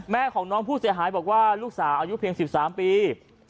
แม่ของน้องผู้เสียหายบอกว่าลูกสาวอายุเพียง๑๓ปี